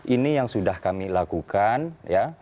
ini yang sudah kami lakukan ya